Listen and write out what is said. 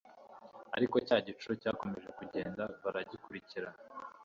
ariko cya gicu cyakomeje kugenda baragikurikira